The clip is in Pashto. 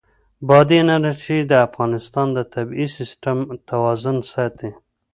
بادي انرژي د افغانستان د طبعي سیسټم توازن ساتي.